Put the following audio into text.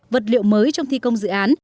vật liệu mới trong thi công dự án